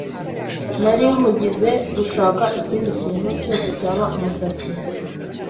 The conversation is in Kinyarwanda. nari nkugize, gushaka ikindi kintu cyose cyaba umusazi